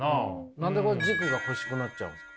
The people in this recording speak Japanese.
何で軸が欲しくなっちゃうんですか？